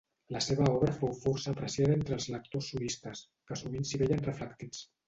La seva obra fou força apreciada entre els lectors sudistes, que sovint s'hi veien reflectits.